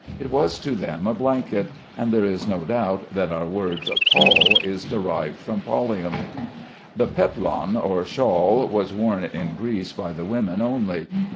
It was to them a blanket; and there is no doubt that our word "pall" is derived from pallium. The "peplon," or shawl, was worn in Greece by the women only.